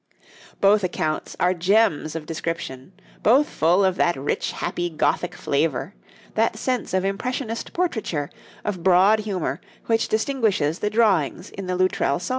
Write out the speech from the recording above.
Both accounts are gems of description, both full of that rich, happy, Gothic flavour, that sense of impressionist portraiture, of broad humour, which distinguishes the drawings in the Loutrell Psalter.